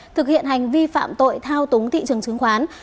thực hiện hành vi phạm tội thao túng thị trường chứng khoán